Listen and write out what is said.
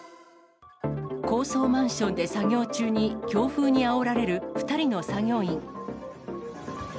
高層マンションで作業中に、強風にあおられる２人の作業員。